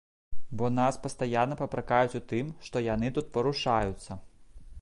Бо нас пастаянна папракаюць у тым, што яны тут парушаюцца.